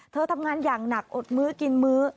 ทำงานอย่างหนักอดมื้อกินมื้อ